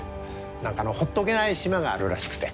何かほっとけない島があるらしくて。